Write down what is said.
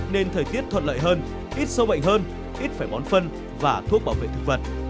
nên thời tiết thuận lợi hơn ít sâu bệnh hơn ít phải bón phân và thuốc bảo vệ thực vật